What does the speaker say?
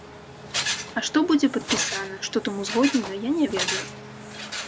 А што будзе падпісана, што там узгоднена, я не ведаю.